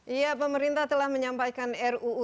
iya pemerintah telah menyampaikan ruu